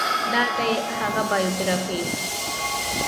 دا دی هغه بایوګرافي